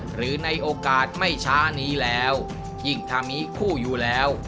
หรือในโอกาสไม่ช้านี้แล้วยิ่งถ้ามีคู่อยู่แล้ว